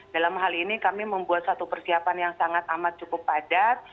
dalam hal ini kami membuat satu persiapan yang sangat amat cukup padat